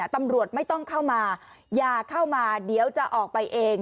ตำรวจไม่ต้องเข้ามาอย่าเข้ามาเดี๋ยวจะออกไปเอง